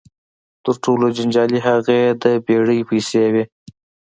تر ټولو جنجالي هغه یې د بېړۍ پیسې وې.